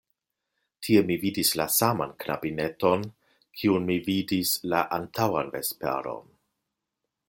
Tie mi vidis la saman knabineton, kiun mi vidis la antaŭan vesperon.